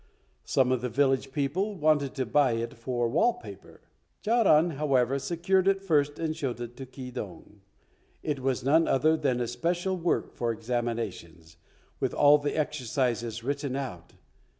Some of the village people wanted to buy it for wall paper. Charan, however, secured it first and showed it to Keydong. It was none other than a special work for Examinations, with all the exercises written out.